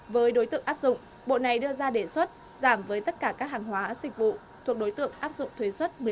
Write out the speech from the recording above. với đối tượng áp dụng bộ này đưa ra đề xuất giảm với tất cả các hàng hóa dịch vụ thuộc đối tượng áp dụng thuế xuất một mươi năm